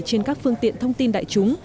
trên các phương tiện thông tin đại chúng